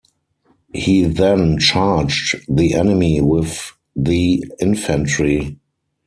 He then charged the enemy with the infantry.